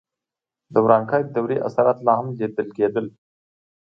د ورانکارې دورې اثرات لا هم لیدل کېدل.